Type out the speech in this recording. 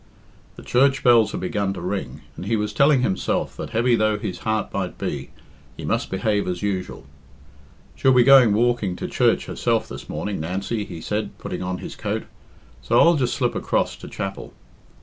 The church bells had begun to ring, and he was telling himself that, heavy though his heart might be, he must behave as usual. "She'll be going walking to church herself this morning, Nancy," he said, putting on his coat, "so I'll just slip across to chapel."